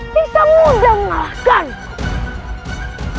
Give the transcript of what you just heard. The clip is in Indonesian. bisa mudah mengalahkanku